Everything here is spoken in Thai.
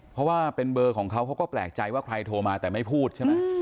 เพราะว่าเป็นเบอร์ของเขาเขาก็แปลกใจว่าใครโทรมาแต่ไม่พูดใช่ไหม